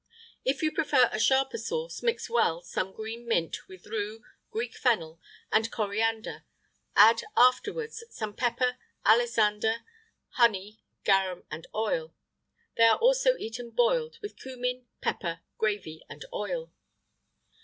[IX 102] If you prefer a sharper sauce, mix well some green mint with rue, Greek fennel,[IX 103] and coriander; add, afterwards, some pepper, alisander, honey, garum, and oil.[IX 104] They are also eaten boiled, with cummin, pepper, gravy, and oil.